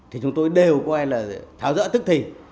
thì chúng tôi đều coi là tháo dỡ tức thì